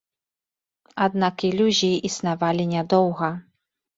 Аднак ілюзіі існавалі нядоўга.